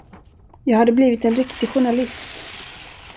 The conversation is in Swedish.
Jag hade blivit en riktig journalist.